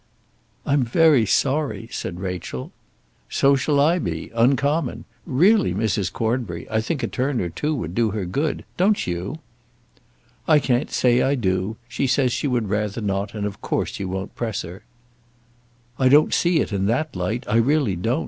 "I'm very sorry," said Rachel. "So shall I be, uncommon. Really, Mrs. Cornbury, I think a turn or two would do her good. Don't you?" "I can't say I do. She says she would rather not, and of course you won't press her." "I don't see it in that light, I really don't.